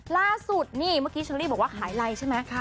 ลาสุดเมื่อกี้ฉันเรียบบอกว่าขายไลค์ใช่ไหม